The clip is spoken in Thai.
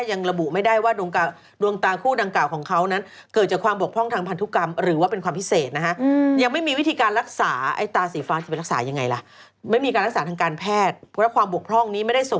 มันไม่มีความรู้สึกพ้นอันนี้ออกมานึกออกมา